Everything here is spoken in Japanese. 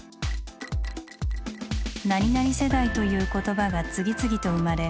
何々世代という言葉が次々と生まれ